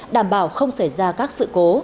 đảm bảo không xảy ra các sự cố